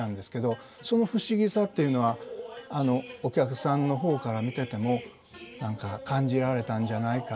その不思議さっていうのはお客さんの方から見てても何か感じられたんじゃないかな。